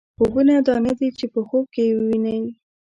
خوبونه دا نه دي چې په خوب کې یې وینئ.